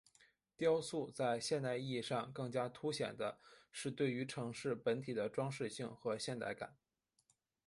城雕在现代意义上更加凸显的是对于城市本体的装饰性和现代感。